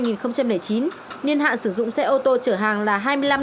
nhiên hạn sử dụng xe ô tô chở hàng là hai mươi năm năm